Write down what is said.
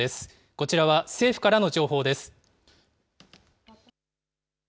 こちらは政府からの情報です。